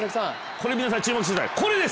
皆さん注目してくださいこれです！